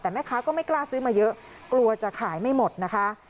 แต่แม่ค้าก็ไม่กล้าซื้อมาเยอะกลัวจะขายไม่หมดนะคะ